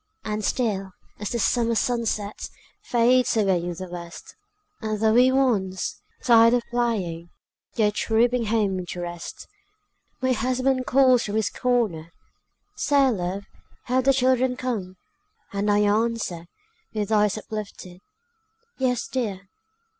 And still, as the summer sunset Fades away in the west, And the wee ones, tired of playing, Go trooping home to rest, My husband calls from his corner, "Say, love, have the children come?" And I answer, with eyes uplifted, "Yes, dear!